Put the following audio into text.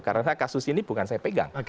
karena kasus ini bukan saya pegang